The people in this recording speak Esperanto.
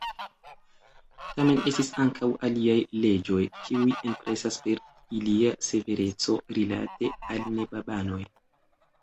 Tamen estis ankaŭ aliaj leĝoj, kiuj impresas per ilia severeco rilate al ne-babanoj.